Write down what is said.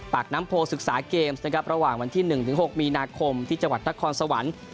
ปากน้ำโพลศึกษาเกมส์ระหว่างวันที่๑ถึง๖มีนาคมที่จังหวัดทะคอนสวรรค์